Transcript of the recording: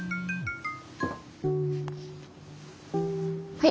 はい。